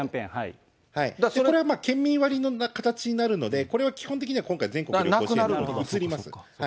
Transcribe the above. これはまあ県民割の形になるので、これは基本的には今回、全国旅行支援に移ります。